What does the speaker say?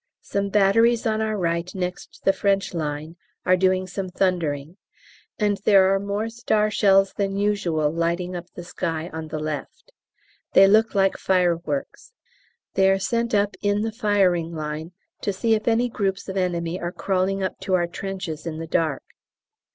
Some batteries on our right next the French lines are doing some thundering, and there are more star shells than usual lighting up the sky on the left. They look like fireworks. They are sent up in the firing line to see if any groups of enemy are crawling up to our trenches in the dark.